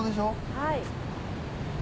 はい。